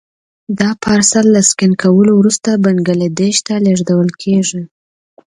دا پارسل له سکن کولو وروسته بنګلادیش ته لېږل کېږي.